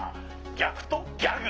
ギャクとギャグ。